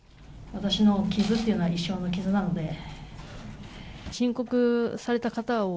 私の傷っていうのは、一生の傷なので。